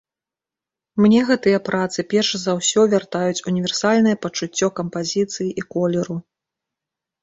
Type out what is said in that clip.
Мне гэтыя працы перш за ўсё вяртаюць універсальнае пачуццё кампазіцыі і колеру.